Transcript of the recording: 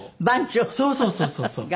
そうそうそうそうそう。